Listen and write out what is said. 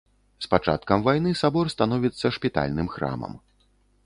З пачаткам вайны сабор становіцца шпітальным храмам.